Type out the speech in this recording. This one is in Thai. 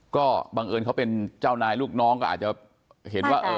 ก็บังเอิญเขาเป็นเจ้านายลูกน้องก็อาจจะเห็นว่าเออ